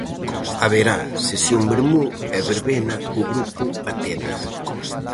Haberá sesión vermú e verbena co grupo Atenas.